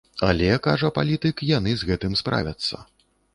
Але, кажа палітык, яны з гэтым справяцца.